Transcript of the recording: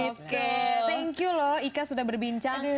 oke thank you loh ika sudah berbincang